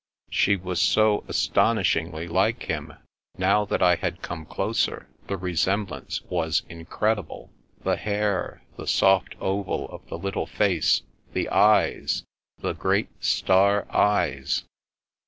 She was so astonishingly like him ! Now that I had come closer, the resemblance was incredible. The hair; the soft oval of the little face; the eyes— the great, star eyes